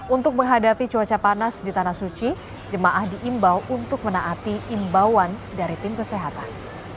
untuk menghadapi cuaca panas di tanah suci jemaah diimbau untuk menaati imbauan dari tim kesehatan